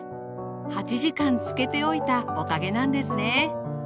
８時間つけておいたおかげなんですね。